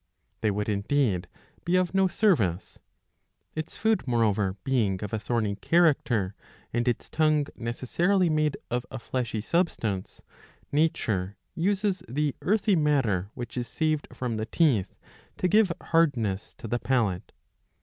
* They would indeed be of no service. Its food, moreover, being of a thorny character, and its tongue necessarily made of a fleshy substance,^ nature uses the earthy matter which is saved from the teeth to give hardness to the palate.